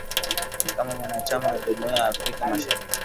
kama mwanachama wa jumuiya ya Afrika mashariki